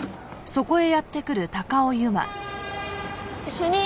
主任！